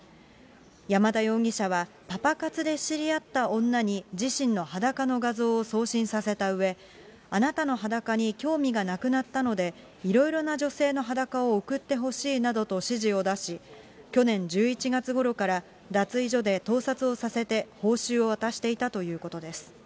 山田容疑者は、パパ活で知り合った女に、自身の裸の画像を送信させたうえ、あなたの裸に興味がなくなったので、いろいろな女性の裸を送ってほしいなどと指示を出し、去年１１月ごろから脱衣所で盗撮をさせて、報酬を渡していたということです。